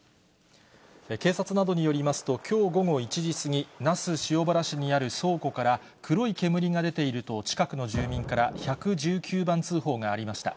警察などによりますと、きょう午後１時過ぎ、那須塩原市にある倉庫から、黒い煙が出ていると、近くの住民から１１９番通報がありました。